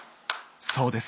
そうです。